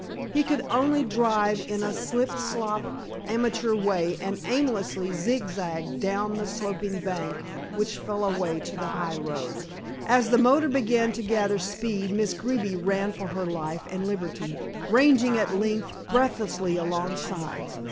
He could only drive in a slip slop amateur way and aimlessly zigzagged down the sloping bank which fell away to the high road. As the motor began to gather speed Miss Greeby ran for her life and liberty, ranging at length breathlessly alongside.